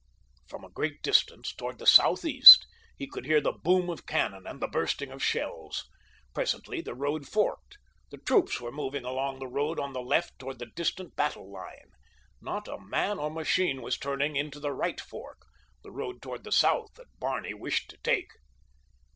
From a great distance, toward the southeast, he could hear the boom of cannon and the bursting of shells. Presently the road forked. The troops were moving along the road on the left toward the distant battle line. Not a man or machine was turning into the right fork, the road toward the south that Barney wished to take.